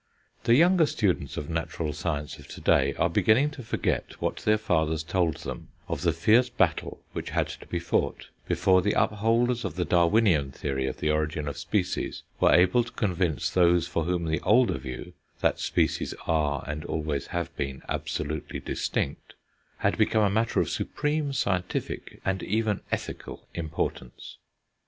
The younger students of natural science of to day are beginning to forget what their fathers told them of the fierce battle which had to be fought, before the upholders of the Darwinian theory of the origin of species were able to convince those for whom the older view, that species are, and always have been, absolutely distinct, had become a matter of supreme scientific, and even ethical, importance.